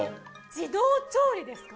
自動調理ですか？